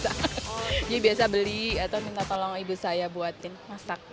jadi biasa beli atau minta tolong ibu saya buatin masak